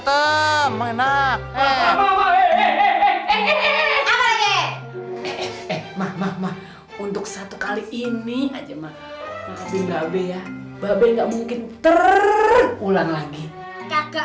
temen temen apa apa untuk satu kali ini aja mah tapi ya bapak nggak mungkin terulang lagi kagak